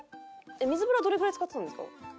水風呂はどれぐらいつかってたんですか？